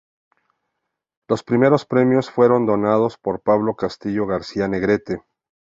Los primeros premios fueron donados por Pablo Castillo García-Negrete.